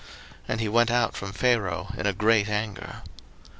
And he went out from Pharaoh in a great anger.